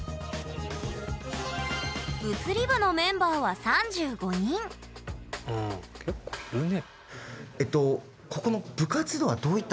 物理部のメンバーは３５人うん結構いるね。